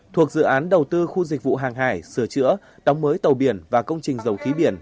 thuộc dự án đầu tư khu dịch vụ hàng hải sửa chữa đóng mới tàu biển và công trình dầu khí biển